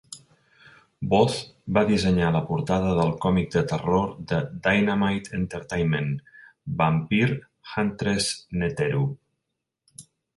Booth va dissenyar la portada del còmic de terror de Dynamite Entertainment, Vampire Huntress Neteru.